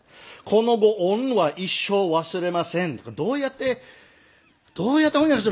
「このご恩は一生忘れません」とかどうやってどうやって翻訳する？